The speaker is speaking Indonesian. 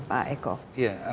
dari yang lain pak eko